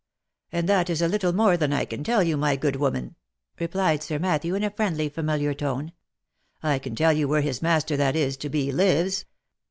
" And that is a little more than I can tell you, my good woman," replied Sir Matthew, in a friendly familiar tone. " I can tell you where his master that is to be, lives.